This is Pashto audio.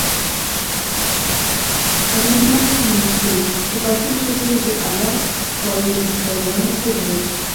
قدر مند منشي د پښتو ژبې د اعلى پائي پۀ شاعرانو کښې دے ۔